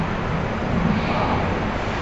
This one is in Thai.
เปล่า